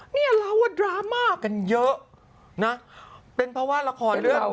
เนี่ยเราว่าดราม่ากันเยอะนะเป็นเพราะว่าละครเรื่อง